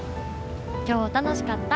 今日楽しかった。